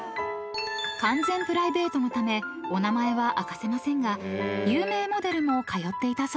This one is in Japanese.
［完全プライベートのためお名前は明かせませんが有名モデルも通っていたそうです］